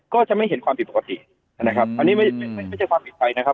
ก็จะไม่เห็นความผิดปกตินะครับอันนี้ไม่ใช่ความผิดไปนะครับ